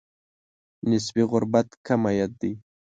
نسبي غربت کم عاید دی.